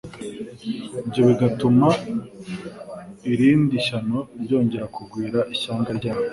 ibyo bigatuma irindi shyano ryongera kugwira ishyanga ryabo.